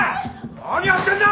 何やってんだ！